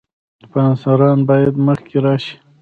سپانسران باید مخکې راشي.